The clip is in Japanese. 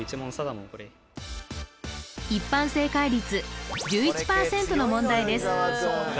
もうこれ一般正解率１１％の問題です